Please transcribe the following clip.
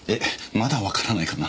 まだわからないかな？